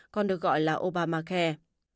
còn được gọi là obamacare